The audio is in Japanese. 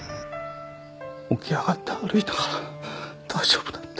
起き上がって歩いたから大丈夫だって。